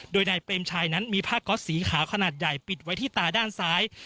โดยนายเปรมชัยนั้นมีผ้าก๊อตสีขาวขนาดใหญ่ปิดไว้ที่ตาด้านซ้าย